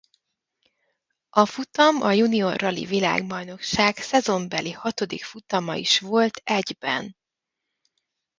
A futam a junior rali-világbajnokság szezonbeli hatodik futama is volt egyben.